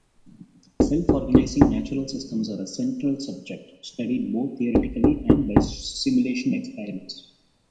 Self-organizing natural systems are a central subject, studied both theoretically and by simulation experiments.